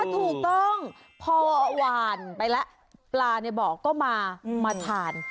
ทุกต้องพอหวานไปละปลาก็มาทาน